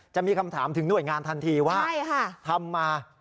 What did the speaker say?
จะมีคำถามถึงหน่วยงานทันทีว่าทำมา